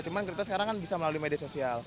cuma kita sekarang kan bisa melalui media sosial